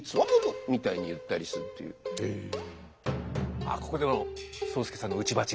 あっここでも宗助さんの打ち撥が。